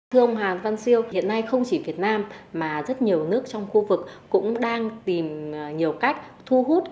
thưa ông hà văn siêu hiện nay không chỉ việt nam mà rất nhiều nước trong khu vực cũng đang tìm nhiều cách thu hút